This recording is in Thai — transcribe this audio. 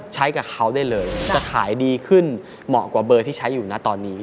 ใช้กับเขาได้เลยจะขายดีขึ้นเหมาะกว่าเบอร์ที่ใช้อยู่นะตอนนี้